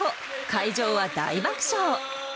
会場は大爆笑。